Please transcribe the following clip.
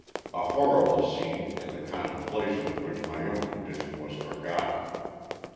A horrible scene, in the contemplation of which my own condition was forgotten.